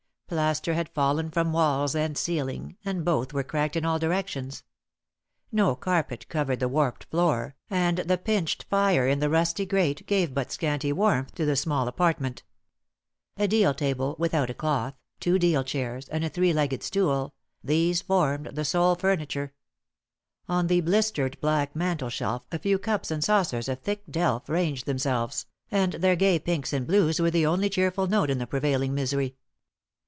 Plaster had fallen from walls and ceiling, and both were cracked in all directions. No carpet covered the warped floor, and the pinched fire in the rusty grate gave but scanty warmth to the small apartment. A deal table, without a cloth, two deal chairs, and a three legged stool these formed the sole furniture. On the blistered black mantelshelf a few cups and saucers of thick delf ranged themselves, and their gay pinks and blues were the only cheerful note in the prevailing misery.